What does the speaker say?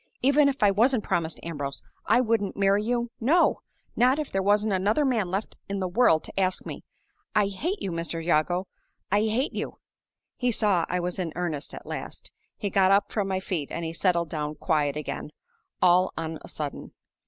'Even if I wasn't promised to Ambrose, I wouldn't marry you no! not if there wasn't another man left in the world to ask me. I hate you, Mr. Jago! I hate you!' He saw I was in earnest at last. He got up from my feet, and he settled down quiet again, all on a sudden.